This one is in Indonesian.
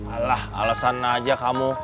alah alasan aja kamu